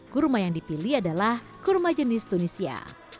kurma yang dipilih adalah kurma jenis tunisia